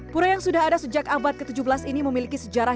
pura yang sudah ada sejak abad ke tujuh belas ini memiliki sejarah